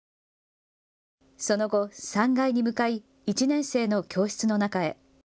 その後、３階に向かい１年生の教室の中へ。